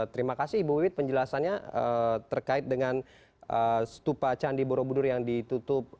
terima kasih ibu wit penjelasannya terkait dengan stupa candi borobudur yang ditutup